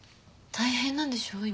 大変なんでしょ今。